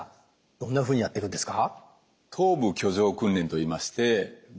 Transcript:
どんなふうにやってくんですか？